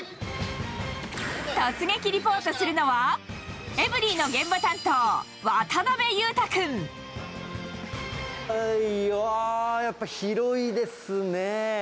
突撃リポートするのは、わー、やっぱり広いですね。